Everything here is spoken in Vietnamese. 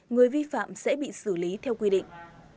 người vi phạm sẽ bị xử lý theo quy định